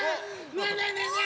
ねえねえねえね